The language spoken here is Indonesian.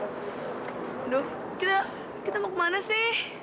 aduh kita mau ke mana sih